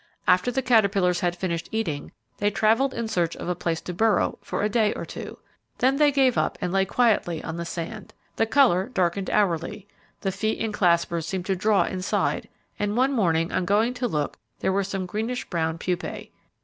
After the caterpillars had finished eating they travelled in search of a place to burrow for a day or two. Then they gave up, and lay quietly on the sand. The colour darkened hourly, the feet and claspers seemed to draw inside, and one morning on going to look there were some greenish brown pupae.